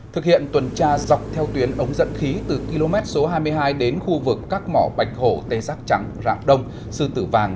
thực hiện tuần tra dọc theo tuyến ống dẫn khí từ km số hai mươi hai đến khu vực các mỏ bạch hổ tê giác trắng rạng đông sư tử vàng